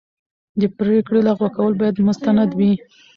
د پرېکړې لغوه کول باید مستند وي.